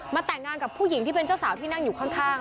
แต่งงานกับผู้หญิงที่เป็นเจ้าสาวที่นั่งอยู่ข้าง